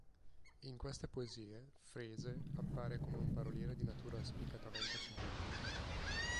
In queste poesie Frese appare come un paroliere di natura spiccatamente soggettiva.